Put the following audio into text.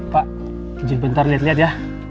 pak izin bentar liat liat ya